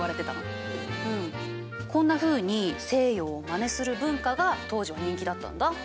こんなふうに西洋をマネする文化が当時は人気だったんだ。